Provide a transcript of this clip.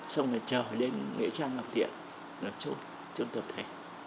xong rồi chờ đến nghệ trang ngọc thiện là chốt chốt tập thể